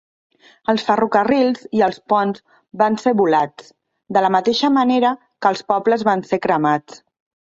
Els ferrocarrils i els ponts van ser volats, de la mateixa manera que els pobles van ser cremats.